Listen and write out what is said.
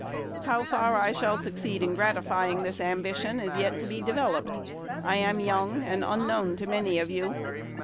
How far I shall succeed in gratifying this ambition is yet to be developed. I am young, and unknown to many of you.